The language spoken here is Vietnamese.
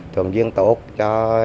thường duyên tốt cho tôn giáo này